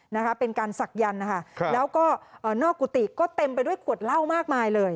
นะคะเป็นการศักยันต์นะคะครับแล้วก็เอ่อนอกกุฏิก็เต็มไปด้วยขวดเหล้ามากมายเลย